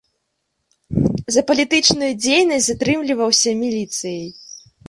За палітычную дзейнасць затрымліваўся міліцыяй.